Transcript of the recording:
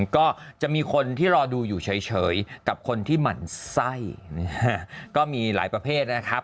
ก็จะมีคนที่รอดูอยู่เฉยกับคนที่หมั่นไส้ก็มีหลายประเภทนะครับ